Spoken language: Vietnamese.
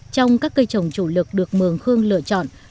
trong các cây trồng chủ lực được mường khương lựa chọn